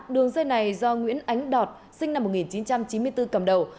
đường dây này do nguyễn ánh đọt sinh năm một nghìn chín trăm chín mươi bốn cầm đầu